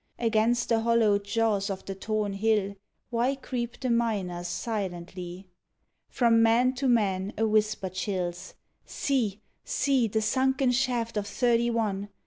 Against the hollowed jaws of the torn hill, Why creep the miners silently? From man to man, a whisper chills: "See, see, The sunken shaft of Thirty one!